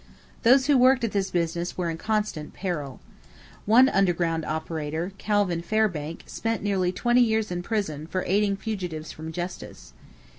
Those who worked at this business were in constant peril. One underground operator, Calvin Fairbank, spent nearly twenty years in prison for aiding fugitives from justice.